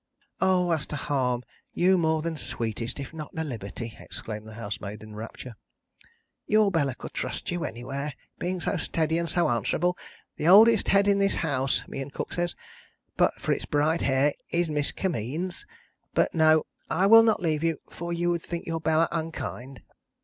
"O! As to harm, you more than sweetest, if not a liberty," exclaimed the housemaid, in a rapture, "your Bella could trust you anywhere, being so steady, and so answerable. The oldest head in this house (me and Cook says), but for its bright hair, is Miss Kimmeens. But no, I will not leave you; for you would think your Bella unkind."